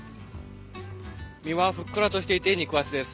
身はふっくらとしていて肉厚です。